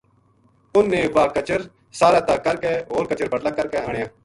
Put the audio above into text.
انھ نے واہ کچر ساہر ا تا کر کے ہور کچر بٹلا کر کے آنیا